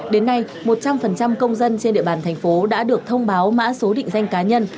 đến nay một trăm linh công dân trên địa bàn thành phố đã được thông báo mã số định danh cá nhân